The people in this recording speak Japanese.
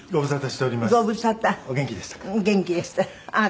お元気でしたか？